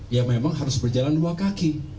ya memang harus berjalan dua kaki